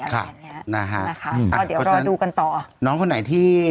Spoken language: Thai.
ค่ะนะคะเดี๋ยวรอดูกันต่อเพราะฉะนั้นน้องคนไหนที่